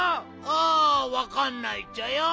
あわかんないっちゃよ。